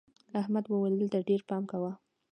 احمد وويل: دلته ډېر پام کوه.